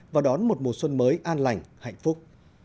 và đón một mùa xuân mới an lành hạnh phúc